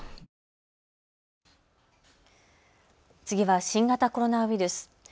次は新型コロナウイルス。